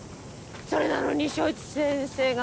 それなのに正一先生が大げさに。